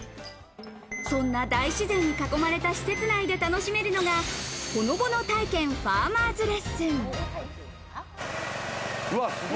そんな大自然に囲まれた施設内で楽しめるのが、ほのぼの体験ファーマーズレッスン。